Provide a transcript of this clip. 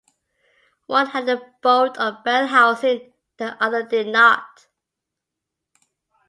One had a bolt on bell housing the other did not.